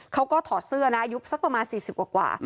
เขาก็ถอดเสื้อนะอายุสักประมาณ๔๐กว่า